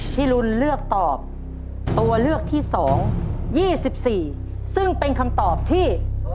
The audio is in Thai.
ลุนเลือกตอบตัวเลือกที่๒๒๔ซึ่งเป็นคำตอบที่